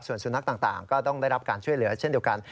ส่วนสุนัขต่างก็ต้องได้รับการช่วยเหลือเช่นเดียวกัน